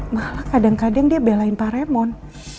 malah kadang kadang dia belain pak raymond